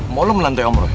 mau lo menantai om roy